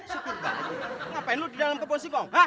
sopir bajaj ngapain lo di dalam kebosong ha